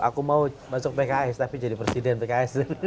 aku mau masuk pks tapi jadi presiden pks